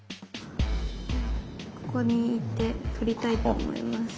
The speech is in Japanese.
ここに行って取りたいと思います。